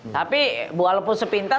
tapi walaupun sepintas